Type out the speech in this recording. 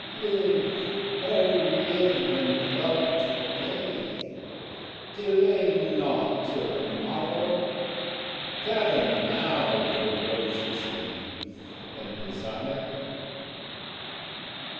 Live, O live and love to day; delay not till the morrow: Gather now the roses of youth and desire.